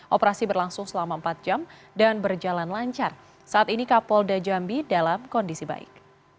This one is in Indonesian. operasi berlangsung selama empat jam dan berjalan lancar saat ini kapolda jambi dalam kondisi baik